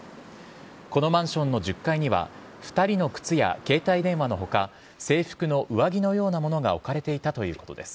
このマンションの１０階には２人の靴や携帯電話の他制服の上着のようなものが置かれていたということです。